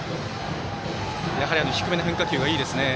やはり低めの変化球がいいですね。